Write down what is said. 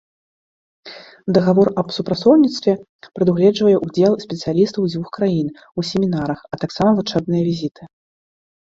Дагавор аб супрацоўніцтве прадугледжвае ўдзел спецыялістаў дзвюх краін у семінарах, а таксама вучэбныя візіты.